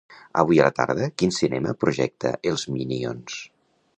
Avui a la tarda quin cinema projecta "Els Mínions"?